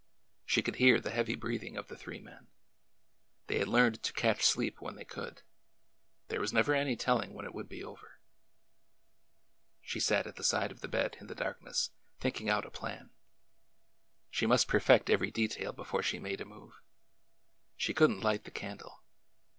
She could hear the heavy breathing of the three men. They had learned to catch sleep when they could. There was never any telling when it would be over. She sat at the side of the bed in the darkness, thinking out a plan. She must perfect every detail before she made a move. She could n't light the candle.